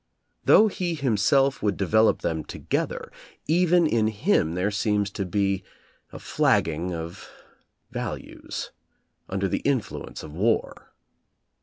Though he himself would develop them together, even in him there seems to be a flagging of values, under the influence of war.